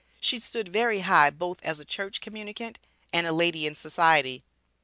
She stood very high both as a church communicant and a lady in society.